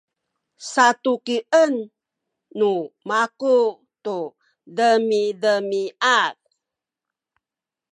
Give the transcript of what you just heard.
satukien nu maku tu demidemiad